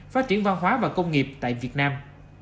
phát triển văn hóa và công nghiệp tại việt nam